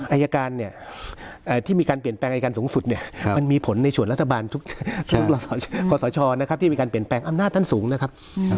อายการเนี่ยที่มีการเปลี่ยนแปลงอายการสูงสุดเนี่ยมันมีผลในส่วนรัฐบาลทุกขอสชนะครับที่มีการเปลี่ยนแปลงอำนาจท่านสูงนะครับ